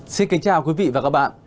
xin kính chào quý vị và các bạn